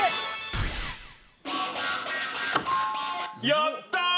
やったー！